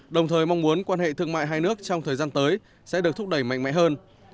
đồng thời mong muốn quan hệ thương mại hai nước trong thời gian tới sẽ được thúc đẩy mạnh mẽ hơn